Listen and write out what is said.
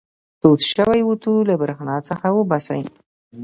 تود شوی اوتو له برېښنا څخه وباسئ.